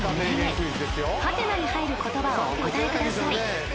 ［？に入る言葉をお答えください］